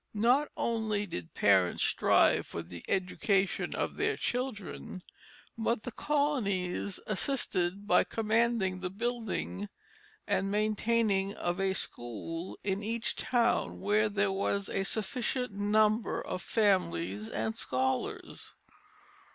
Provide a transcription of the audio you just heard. Not only did parents strive for the education of their children, but the colonies assisted by commanding the building and maintaining of a school in each town where there was a sufficient number of families and scholars.